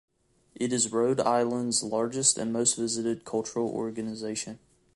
It is Rhode Island's largest and most-visited cultural organization.